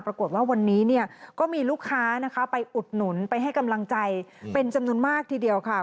ปรากฏว่าวันนี้เนี่ยก็มีลูกค้านะคะไปอุดหนุนไปให้กำลังใจเป็นจำนวนมากทีเดียวค่ะ